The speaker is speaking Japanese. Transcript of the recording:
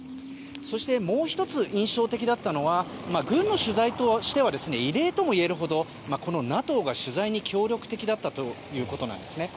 そしてもう１つ印象的だったのが軍の取材としては異例ともいえるほどＮＡＴＯが取材に協力的だったということです。